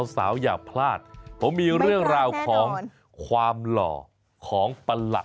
สาวอย่าพลาดผมมีเรื่องราวของความหล่อของประหลัด